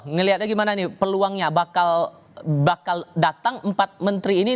ngelihatnya gimana nih peluangnya bakal datang empat menteri ini